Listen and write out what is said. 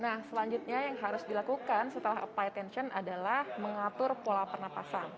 nah selanjutnya yang harus dilakukan setelah apply tension adalah mengatur pola pernapasan